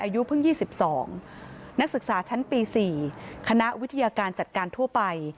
อายุเพิ่ง๒๒นักศึกษาชั้นปี๔คณะวิทยาการจัดการทั่วไป